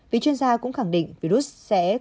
vị chuyên gia cũng khẳng định virus sẽ không